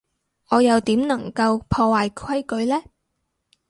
我又點能夠破壞規矩呢？